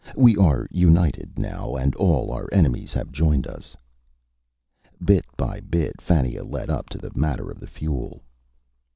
"We are united now, and all our enemies have joined us." Bit by bit, Fannia led up to the matter of the fuel.